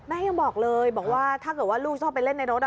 ยังบอกเลยบอกว่าถ้าเกิดว่าลูกชอบไปเล่นในรถ